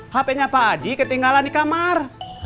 handphone pak aji ketinggalan di kamar